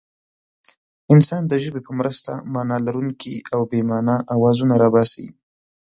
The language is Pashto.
انسان د ژبې په مرسته مانا لرونکي او بې مانا اوازونه را باسي.